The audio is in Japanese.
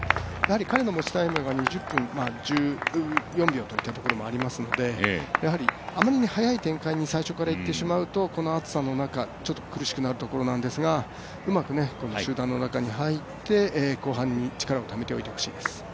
彼の持ちタイムが２０分１４秒というったところもありますのであまりに早い展開に、最初からいってしまうと、この暑さの中、ちょっと苦しくなるところなんですが、うまく集団の中に入って後半に力をためておいてほしいです。